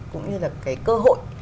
cái cơ hội